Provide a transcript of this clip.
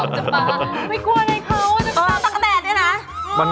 ตั๊ดกระแทนเนี่ยน่ะ